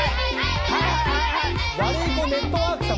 ワルイコネットワーク様。